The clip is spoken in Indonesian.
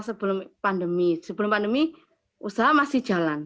sebelum pandemi usaha masih jalan